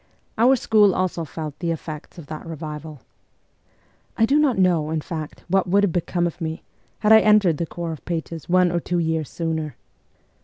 Our school also felt the effects of that revival. I do not know, in fact, what would have become of me, had I entered the corps of pages one or two years sooner.